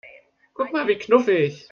Guck mal, wie knuffig!